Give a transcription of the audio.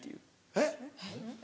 えっ？